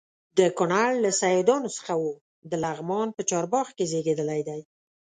د کونړ له سیدانو څخه و د لغمان په چارباغ کې زیږېدلی دی.